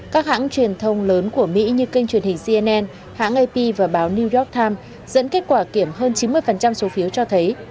các hãng truyền thông lớn của mỹ như kênh truyền hình cnn hãng ap và báo new york times dẫn kết quả kiểm hơn chín mươi số phiếu cho thấy